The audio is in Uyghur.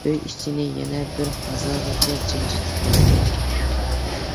ئۆي ئىچىنى يەنە بىر ھازاغىچە جىمجىتلىق باستى.